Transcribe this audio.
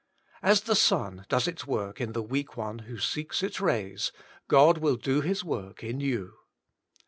As the sun does its work in the weak one who seeks its rays, God will do ms work in you.